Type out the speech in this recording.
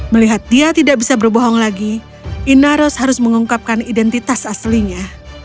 melihat dia tidak bisa berbohong lagi inaros harus mengungkapkan identitas aslinya